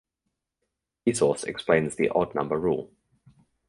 Vsauce explains The Odd Number Rule